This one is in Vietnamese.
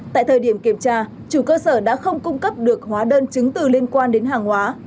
tại thời điểm kiểm tra chủ cơ sở đã không cung cấp được hóa đơn chứng từ liên quan đến hàng hóa